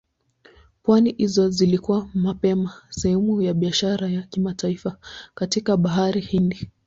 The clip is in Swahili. Pwani hizo zilikuwa mapema sehemu ya biashara ya kimataifa katika Bahari Hindi.